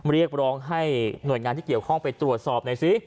เรียกร้องให้หน่วยงานที่เกี่ยวข้องไปตรวจสอบหน่อยสิ